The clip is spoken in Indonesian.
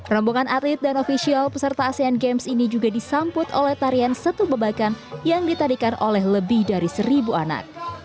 rombongan atlet dan ofisial peserta asean games ini juga disambut oleh tarian setu bebakan yang ditarikan oleh lebih dari seribu anak